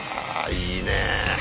いいねえ。